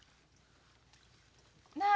・なあ